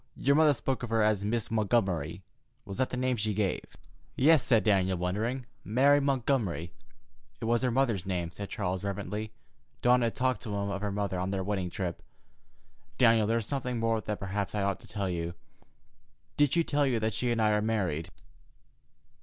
Your mother spoke of her as Miss Montgomery. Was that the name she gave?" "Yes," said Daniel, wondering; "Mary Montgomery." "It was her mother's name," said Charles reverently. Dawn had talked to him of her mother on their wedding trip. "Daniel, there is something more that perhaps I ought to tell you. Did she tell you that she and I are married?"